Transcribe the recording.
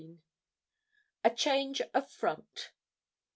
A CHANGE OF FRONT.